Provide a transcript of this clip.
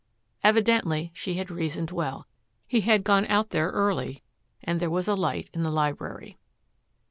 Evidently she had reasoned well. He had gone out there early and there was a light in the library.